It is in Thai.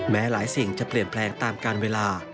แม้หลายสิ่งจะเปลี่ยนแปลงตามการเวลา